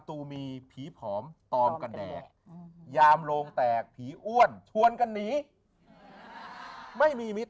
ตูมีผีผอมตอมกันแดกยามโลงแตกผีอ้วนชวนกันหนีไม่มีมิตร